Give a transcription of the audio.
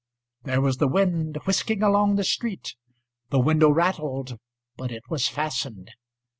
There was the wind whisking along the street. The window rattled, but it was fastened.